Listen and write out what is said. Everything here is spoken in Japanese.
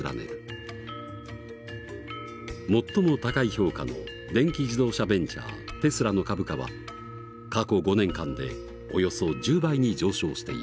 最も高い評価の電気自動車ベンチャーテスラの株価は過去５年間でおよそ１０倍に上昇している。